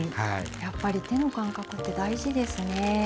やっぱり手の感覚って大事ですね。